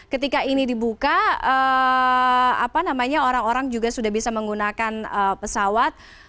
ketika ini dibuka orang orang juga sudah bisa menggunakan pesawat